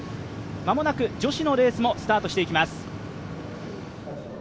間もなく女子のレースもスタートしていきます。